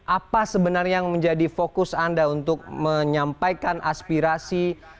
apa sebenarnya yang menjadi fokus anda untuk menyampaikan aspirasi